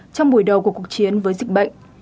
trong buổi đầu của cuộc chiến với dịch bệnh